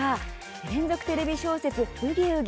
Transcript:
連続テレビ小説「ブギウギ」。